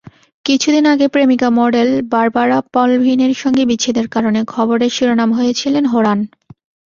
কিছুদিন আগে প্রেমিকা মডেল বারবারা পলভিনের সঙ্গে বিচ্ছেদের কারণে খবরের শিরোনাম হয়েছিলেন হোরান।